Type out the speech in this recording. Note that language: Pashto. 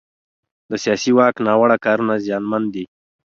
د سیاسي واک ناوړه کارونه زیانمن دي